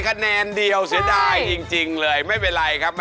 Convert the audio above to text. ก้าวออกมาครับ